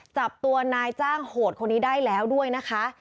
จับตัวนายจ้างโหดคนนี้ได้แล้วด้วยนะคะ